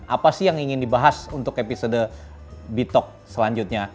apa sih yang ingin dibahas untuk episode bitok selanjutnya